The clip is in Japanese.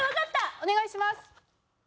お願いします。